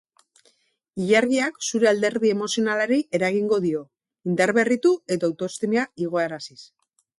Ilargiak zure alderdi emozionalari eragingo dio, indarberritu eta autoestima igoaraziz.